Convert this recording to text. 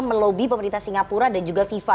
melobi pemerintah singapura dan juga fifa